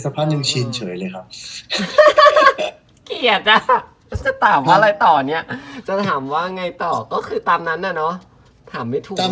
สามารถต้องชินเฉยเลยครับ